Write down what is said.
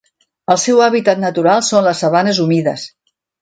El seu hàbitat natural són les sabanes humides.